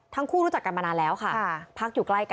ทั้งคู่รู้จักกันมานานแล้วค่ะ